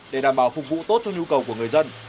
để đảm bảo phục vụ tốt cho nhu cầu của người dân